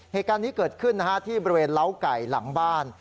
เหตุการณ์นี้เกิดขึ้นที่บริเวณเล้าไก่หลังบ้าน